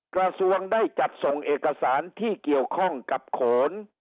กระทรวงได้จัดส่งเอกสารที่เกี่ยวข้องกับโขน